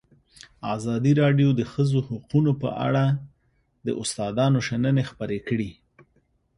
ازادي راډیو د د ښځو حقونه په اړه د استادانو شننې خپرې کړي.